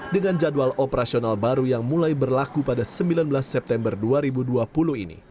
dengan jadwal operasional baru yang mulai berlaku pada sembilan belas september dua ribu dua puluh ini